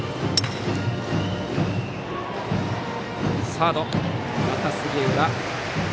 サード、また杉浦。